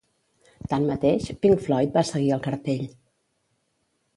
Tanmateix, Pink Floyd va seguir al cartell.